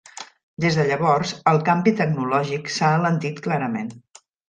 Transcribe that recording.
Des de llavors, el canvi tecnològic s'ha alentit clarament.